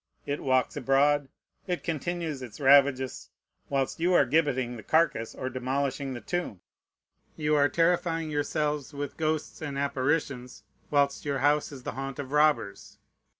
It walks abroad, it continues its ravages, whilst you are gibbeting the carcass or demolishing the tomb. You are terrifying yourselves with ghosts and apparitions, whilst your house is the haunt of robbers.